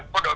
cái này là